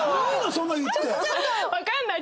そんなの言って。